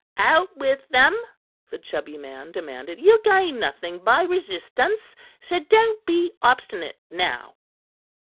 "Out with them," the chubby man demanded. "Ye'll gain nothing by resistance. So don't be obstinate, now."